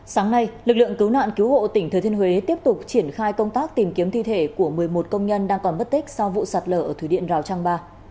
sáng nay lực lượng cứu nạn cứu hộ tỉnh thừa thiên huế tiếp tục triển khai công tác tìm kiếm thi thể của một mươi một công nhân đang còn mất tích sau vụ sạt lở ở thủy điện rào trang ba